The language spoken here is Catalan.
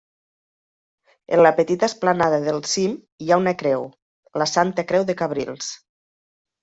En la petita esplanada del cim hi ha una creu: la Santa Creu de Cabrils.